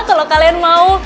kalau kalian mau